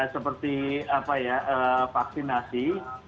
jadi apa ya vaksinasi